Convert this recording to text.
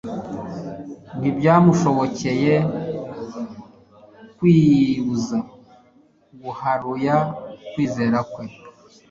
Ntibyamushobokcye kwibuza guharuya kwizera kwe.